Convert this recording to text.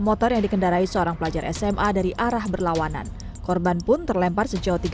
motor yang dikendarai seorang pelajar sma dari arah berlawanan korban pun terlempar sejauh tiga